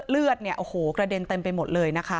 เลือดเนี่ยโอ้โหกระเด็นเต็มไปหมดเลยนะคะ